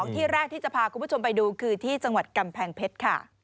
ที่แรกที่จะพาคุณผู้ชมไปดูคือที่จังหวัดกำแพงเพชรค่ะ